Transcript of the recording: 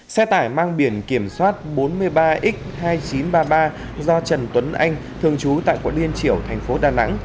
xe tải mang biển kiểm soát bốn mươi ba x hai nghìn chín trăm ba mươi ba do trần tuấn anh thường trú tại quận liên triểu thành phố đà nẵng